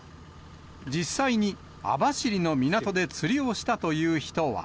実際に網走の港で釣りをしたという人は。